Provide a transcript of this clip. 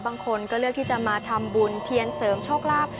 บางคนก็เลือกที่จะมาทำบุญเทียนเสริมโชคลาภ